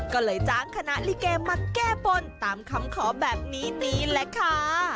ก็เลยจ้างคณะลิเกมาแก้บนตามคำขอแบบนี้นี่แหละค่ะ